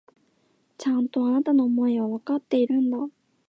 ちゃんと、あなたの思いはわかっているんだ。